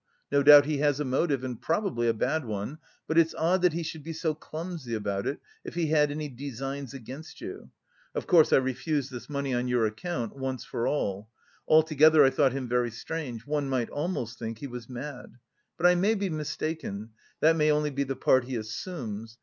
No doubt he has a motive, and probably a bad one. But it's odd that he should be so clumsy about it if he had any designs against you.... Of course, I refused this money on your account, once for all. Altogether, I thought him very strange.... One might almost think he was mad. But I may be mistaken; that may only be the part he assumes.